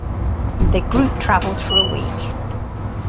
They group traveled for a week.